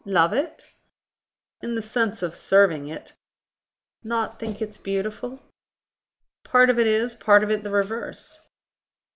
"Love it?" "In the sense of serving it." "Not think it beautiful?" "Part of it is, part of it the reverse."